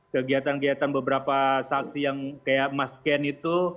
kegiatan kegiatan beberapa saksi yang kayak mas ken itu